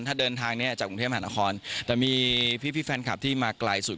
ถ้าเดินทางเนี้ยจากกรุงเทพมหานครแต่มีพี่แฟนคลับที่มาไกลสุด